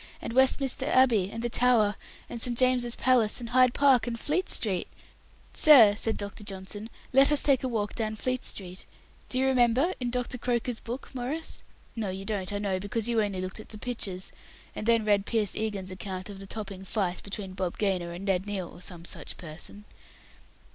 "And Westminster Abbey, and the Tower, and St. James's Palace, and Hyde Park, and Fleet street! 'Sir,' said Dr. Johnson, 'let us take a walk down Fleet street.' Do you remember, in Mr. Croker's book, Maurice? No, you don't I know, because you only looked at the pictures, and then read Pierce Egan's account of the Topping Fight between Bob Gaynor and Ned Neal, or some such person."